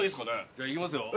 じゃあいきますよ